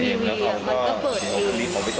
เพราะว่ามีนอกแสบสะพาน